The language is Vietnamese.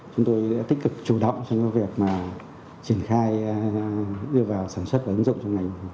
chúng tôi đã tích cực chủ động cho những việc mà triển khai đưa vào sản xuất và ứng dụng trong ngành